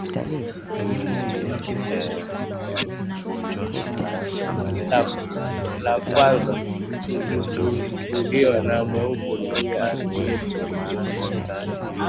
la kwanza likivumbuliwa na mweupe kwenye ardhi yetu